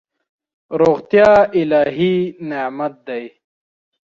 روغتیا الهي نعمت دی.